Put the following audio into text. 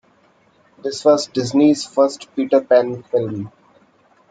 This was Disney's first Peter Pan film.